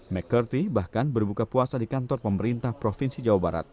mccarthy bahkan berbuka puasa di kantor pemerintah provinsi jawa barat